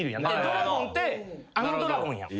ドラゴンってあのドラゴンやん。